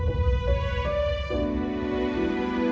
terima kasih ibu